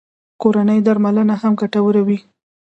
کورنۍ درملنه هم ګټوره وي